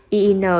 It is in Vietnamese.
yin đã giải thích